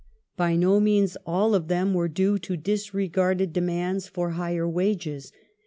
By no means all of them were due to disregarded demands for higher wages.